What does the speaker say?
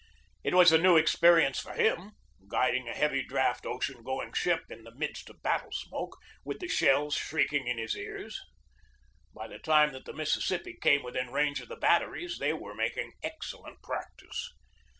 It was a new experience for him, guiding a heavy draught ocean going ship in the midst of battle smoke, with the shells shrieking in his ears. By the time that the Mississippi came within range of the batteries they were making excellent practice.